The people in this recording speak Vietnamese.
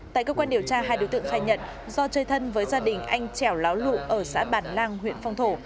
tại cơ quan điều tra hai đối tượng khai nhận do chơi thân với gia đình anh trẻo láo lụ ở xã bản lang huyện phong thổ